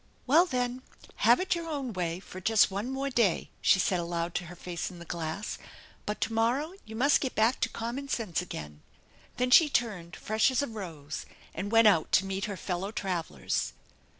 "Well, then, have it your own way for just one more day !" she said aloud to her face in the glass. " But to morrow you must get back to common sense again !" Then she turned, fresh as a rose, and went out to meet her fellow travellers.